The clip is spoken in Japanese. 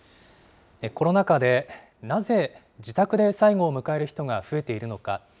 コロナ禍でなぜ、自宅で最期を迎える人が増えているのか。